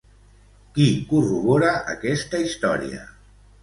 Qui corrobora aquesta història?